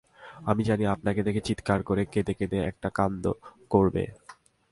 আমি জানি আপনাকে দেখে চিৎকার করে কেঁদেকেটে একটা কাণ্ড করব।